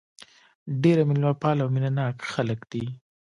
ډېر مېلمه پاله او مینه ناک خلک دي.